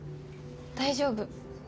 大丈夫。